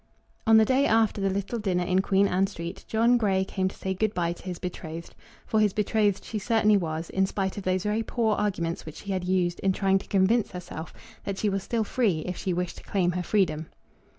On the day after the little dinner in Queen Anne Street, John Grey came to say good bye to his betrothed; for his betrothed she certainly was, in spite of those very poor arguments which she had used in trying to convince herself that she was still free if she wished to claim her freedom.